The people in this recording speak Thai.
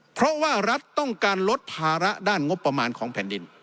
เพราะว่ารัฐต้องการลดภาระด้านงบประมาณของแผ่นดิน